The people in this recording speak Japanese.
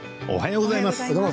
おはようございます。